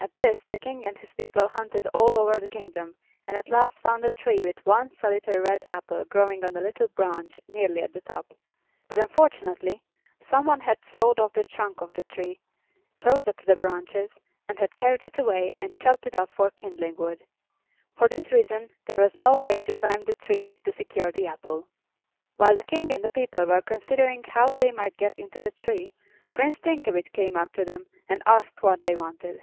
At this the King and his people hunted all over the kingdom, and at last found a tree with one solitary red apple growing on a little branch nearly at the top. But unfortunately some one had sawed off the trunk of the tree, close up to the branches, and had carried it away and chopped it up for kindling wood. For this reason there was no way to climb the tree to secure the apple. While the King and the people were considering how they might get into the tree, Prince Thinkabit came up to them and asked what they wanted.